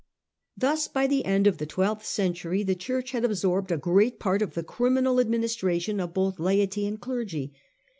Thus by the end of the twelfth century the Church had absorbed a great part of the criminal administration of both laity and clergy.